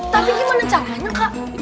tapi gimana caranya kak